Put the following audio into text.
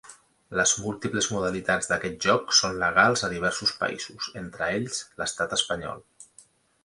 Les múltiples modalitats d'aquest joc són legals a diversos països –entre ells, l'estat espanyol-.